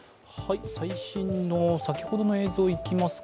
最新の、先ほどの映像いきますか